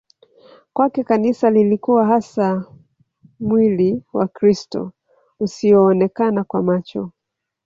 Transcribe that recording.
Kwake Kanisa lilikuwa hasa mwli wa krist usioonekana kwa macho